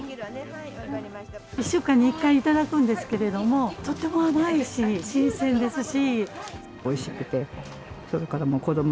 １週間に１回頂くんですけど、とっても甘いし、新鮮ですし。